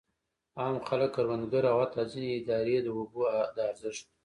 عام خلک، کروندګر او حتی ځینې ادارې د اوبو د ارزښت.